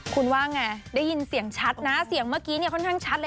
คุณว่าไงได้ยินเสียงชัดนะเสียงเมื่อกี้เนี่ยค่อนข้างชัดเลย